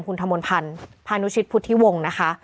คุณธรรมนภัณฑ์ภาณุชิศพุทธิวงศ์นะคะ